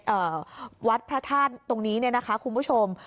เอ่อวัดพระธาตุตรงนี้เนี่ยนะคะคุณผู้ชม